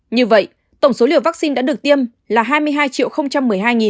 như vậy tổng số liều vaccine đã được tiêm là hai mươi hai một mươi hai một trăm hai mươi ba liều